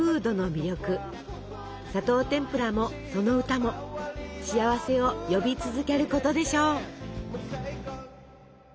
「砂糖てんぷら」もその歌も幸せを呼び続けることでしょう。